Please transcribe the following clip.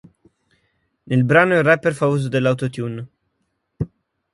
Nel brano il rapper fa uso dell'Auto-Tune.